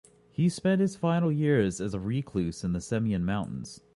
He spent his final years as a recluse in the Semien Mountains.